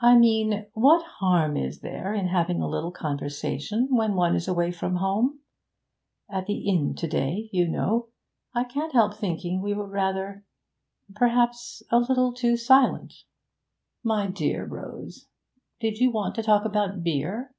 'I mean what harm is there in having a little conversation when one is away from home? At the inn to day, you know, I can't help thinking we were rather perhaps a little too silent.' 'My dear Rose, did you want to talk about beer?'